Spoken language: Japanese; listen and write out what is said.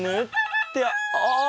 ってあれ？